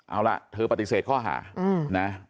เอาล่ะเธอปฏิเสธข้อหานะ